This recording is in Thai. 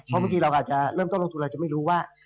เพราะบางทีเราอาจจะเริ่มต้นลงทุนเราจะไม่รู้ว่า